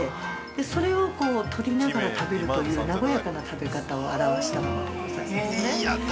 それを取りながら食べるという和やかな食べ方を表わしたものでございますね。